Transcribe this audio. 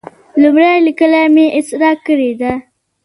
لومړۍ لیکنه مې اصلاح کړې ده.